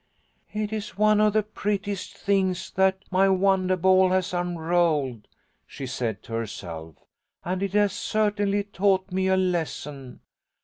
"It is one of the prettiest things that my wondah ball has unrolled," she said to herself, "and it has certainly taught me a lesson.